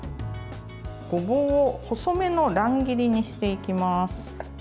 ごぼうを細めの乱切りにしていきます。